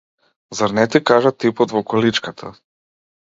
Зар не ти кажа типот во количката?